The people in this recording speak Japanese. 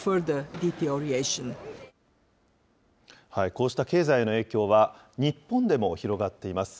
こうした経済への影響は、日本でも広がっています。